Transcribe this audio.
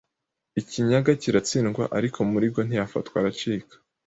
Ikinyaga kiratsindwa, ariko Muligo ntiyafatwa aracika